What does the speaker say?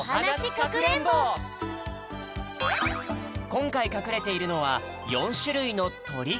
こんかいかくれているのは４しゅるいのとり。